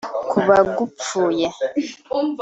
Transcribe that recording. kuba gupfuye